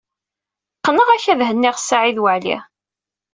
Qqneɣ-ak ad henniɣ Saɛid Waɛli.